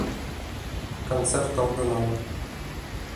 Концерт алдынан.